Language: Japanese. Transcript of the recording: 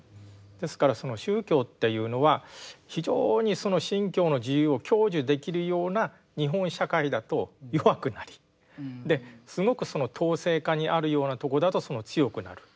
ですからその宗教というのは非常にその信教の自由を享受できるような日本社会だと弱くなりすごくその統制下にあるようなところだと強くなる。